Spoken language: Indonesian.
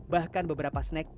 bahkan beberapa snack